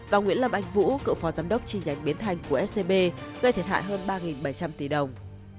và nguyễn lâm anh vũ cựu phó giám đốc chi nhánh biến thành của scb gây thiệt hại hơn ba bảy trăm linh tỷ đồng